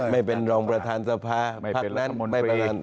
ไม่เป็นรองประธานสภา